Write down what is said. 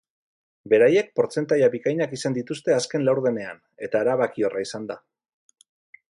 Beraiek portzentaia bikainak izan dituzte azken laurdenean, eta erabakiorra izan da.